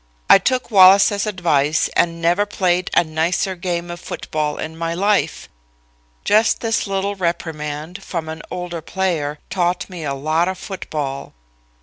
I took Wallace's advice and never played a nicer game of football in my life. Just this little reprimand, from an older player, taught me a lot of football."